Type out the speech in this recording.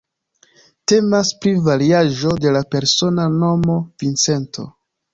Temas pri variaĵo de la persona nomo "Vincento".